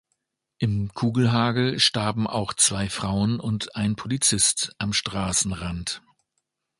Im Kugelhagel starben auch zwei Frauen und ein Polizist am Straßenrand.